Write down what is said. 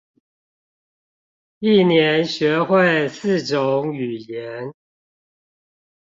一年學會四種語言